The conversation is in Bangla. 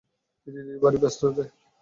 দিদি ভারি ব্যস্ত যে!